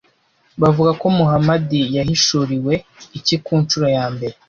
Bavuga ko Muhamadi yahishuriwe iki ku ncuro ya mbere